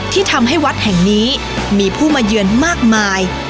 ที่ทำให้วัดแห่งนี้มีผู้มาเยือนมากมาย